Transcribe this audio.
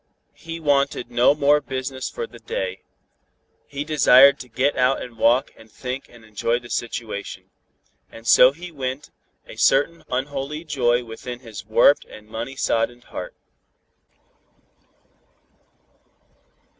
He wanted no more business for the day. He desired to get out and walk and think and enjoy the situation. And so he went, a certain unholy joy within his warped and money soddened heart.